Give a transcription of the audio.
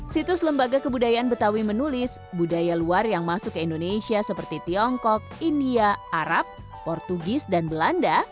situs lembaga kebudayaan betawi menulis budaya luar yang masuk ke indonesia seperti tiongkok india arab portugis dan belanda